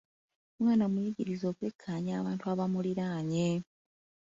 Omwana muyigirize okwekkaanya abantu abamuliraanye.